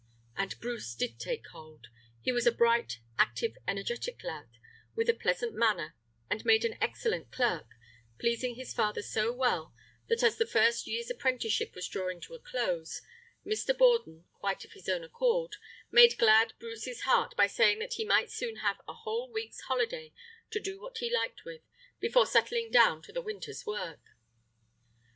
And Bruce did take hold. He was a bright, active, energetic lad, with a pleasant manner, and made an excellent clerk, pleasing his father so well that as the first year's apprenticeship was drawing to a close, Mr. Borden, quite of his own accord, made glad Bruce's heart by saying that he might soon have a whole week's holiday to do what he liked with, before settling down to the winter's work.